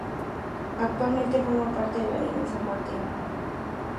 Actualmente forma parte de la Línea San Martín.